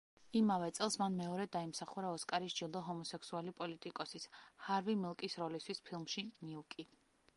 იმავე წელს მან მეორედ დაიმსახურა ოსკარის ჯილდო ჰომოსექსუალი პოლიტიკოსის, ჰარვი მილკის როლისთვის ფილმში „მილკი“.